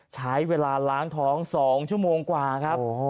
ใช้เวลาล้างท้อง๒ชั่วโมงกว่าครับ